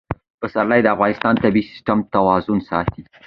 پسرلی د افغانستان د طبعي سیسټم توازن ساتي.